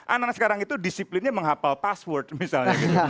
anak anak sekarang itu disiplinnya menghapal password misalnya gitu